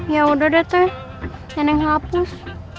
ya udah deh teh enak ngelapus